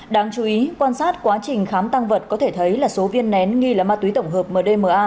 đáng chú ý quan sát quá trình khám tăng vật có thể thấy là số viên nén nghi là ma túy tổng hợp mdma